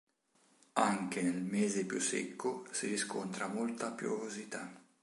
Anche nel mese più secco si riscontra molta piovosità.